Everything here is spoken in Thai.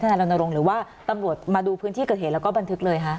นายรณรงค์หรือว่าตำรวจมาดูพื้นที่เกิดเหตุแล้วก็บันทึกเลยฮะ